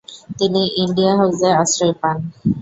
তিনি ইন্ডিয়া হাউসে আশ্রয় পান।